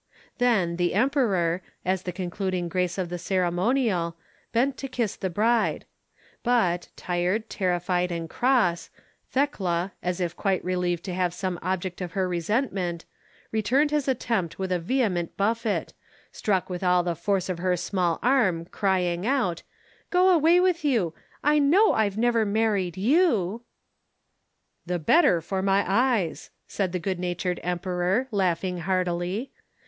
Then the Emperor, as the concluding grace of the ceremonial, bent to kiss the bride; but, tired, terrified, and cross, Thekla, as if quite relieved to have some object for her resentment, returned his attempt with a vehement buffet, struck with all the force of her small arm, crying out, "Go away with you! I know I've never married you!" "The better for my eyes!" said the good natured Emperor, laughing heartily.